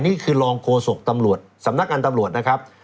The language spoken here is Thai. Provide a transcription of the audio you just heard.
นี่คือรองโฆษกตำรวจสำนักงานตำรวจนะครับ